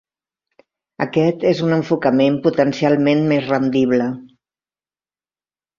Aquest és un enfocament potencialment més rendible.